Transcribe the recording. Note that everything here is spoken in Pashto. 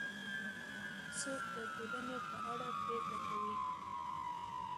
څوک د ټولنې په اړه پرېکړه کوي؟